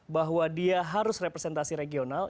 bahwa dia harus representasi regional